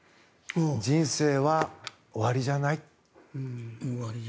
人生は終わりじゃない。